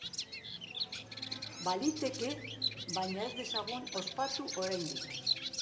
Baliteke, baina ez dezagun ospatu oraindik.